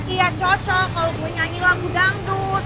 iya cocok kalo gue nyanyi lagu dangdut